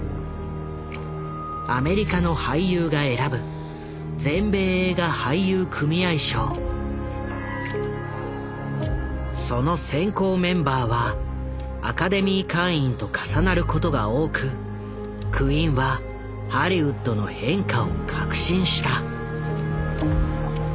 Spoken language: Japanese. アメリカの俳優が選ぶその選考メンバーはアカデミー会員と重なることが多くクインはハリウッドの変化を確信した。